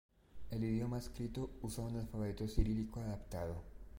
El idioma escrito usa un alfabeto cirílico adaptado.